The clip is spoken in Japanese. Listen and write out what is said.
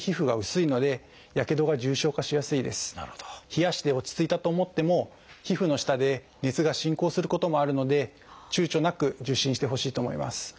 冷やして落ち着いたと思っても皮膚の下で熱が進行することもあるのでちゅうちょなく受診してほしいと思います。